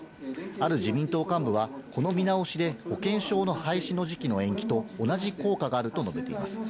ある自民党幹部はこの見直しで保険証の廃止の時期の延期と同じ効果があると述べています。